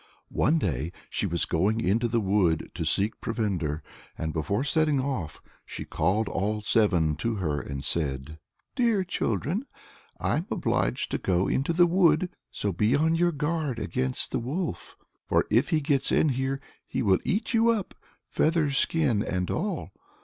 One day she was going into the wood to seek for provender, and before setting off she called all seven to her and said, "Dear children, I am obliged to go into the wood, so be on your guard against the wolf; for if he gets in here he will eat you up, feathers, skin, and all.